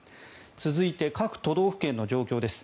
続いて各都道府県の状況です。